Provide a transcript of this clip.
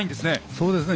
そうですね。